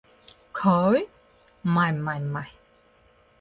佢？唔係唔係唔係